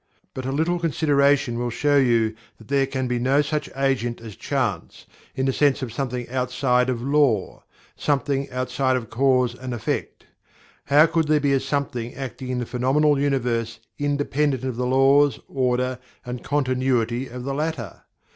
But a little consideration will show you that there can be no such agent as "Chance," in the sense of something outside of Law something outside of Cause and Effect. How could there be a something acting in the phenomenal universe, independent of the laws, order, and continuity of the latter?